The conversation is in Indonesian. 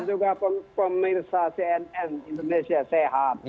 selamat malam juga pemirsa cnn indonesia sehat